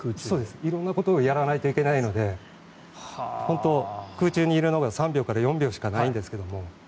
そうです、色んなことをやらないといけないので本当に空中にいるのが３秒から４秒しかないんですけど。